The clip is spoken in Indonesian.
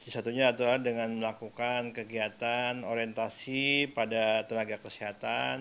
satunya adalah dengan melakukan kegiatan orientasi pada tenaga kesehatan